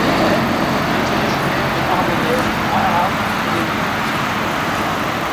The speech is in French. Il est originaire de Narbonnaise, à Arles où il est né.